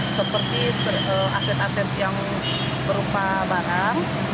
seperti aset aset yang berupa barang